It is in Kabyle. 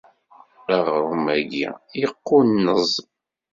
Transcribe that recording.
Aɣṛum-agi yeqqunneẓ.